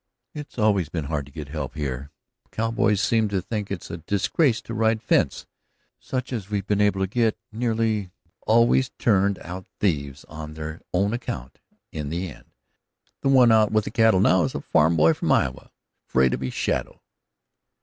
"It's always been hard to get help here; cowboys seem to think it's a disgrace to ride fence. Such as we've been able to get nearly always turned out thieves on their own account in the end. The one out with the cattle now is a farm boy from Iowa, afraid of his shadow."